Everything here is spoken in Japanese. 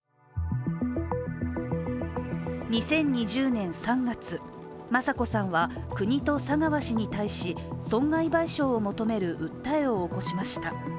２０２０年３月、雅子さんは国と佐川氏に対し損害賠償を求める訴えを起こしました。